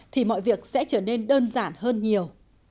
thì mọi việc sẽ trở nên đơn giản hơn nhiều